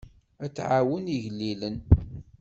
Ad tɛawen igellilen.